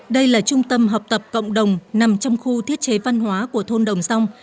đây là trung tâm học tập cộng đồng nằm trong khu thiết chế văn hóa của thôn đồng dòng